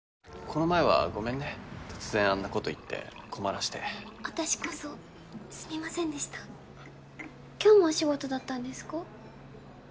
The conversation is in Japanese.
この前はごめんね突然あんなこと言って困らせて私こそすみませんでした今日もお仕事だったんですか？